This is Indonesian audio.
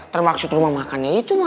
termaksud rumah makannya itu mah